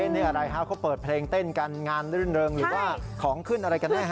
นี่อะไรฮะเขาเปิดเพลงเต้นกันงานรื่นเริงหรือว่าของขึ้นอะไรกันแน่ฮ